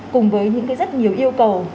cùng với những cái rất nhiều yêu cầu